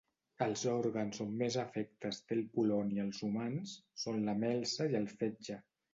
Els òrgans on més efectes té el poloni als humans són la melsa i el fetge.